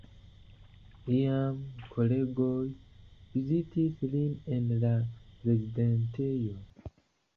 Iam kolegoj vizitis lin en la prezidentejo.